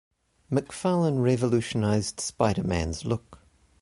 McFarlane revolutionized Spider-Man's look.